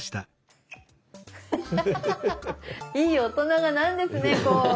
いい大人がなるんですねこう。